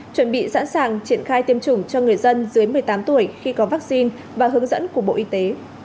chuẩn bị sẵn sàng triển khai tiêm chủng cho người dân dưới một mươi tám tuổi khi có vaccine và hướng dẫn của bộ y tế